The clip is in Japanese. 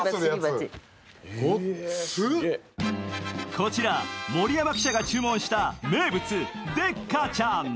こちら盛山記者が注文した名物・でっかちゃん。